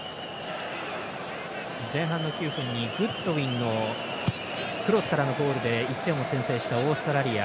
前半の９分にグッドウィンのクロスからのゴールで１点を先制したオーストラリア。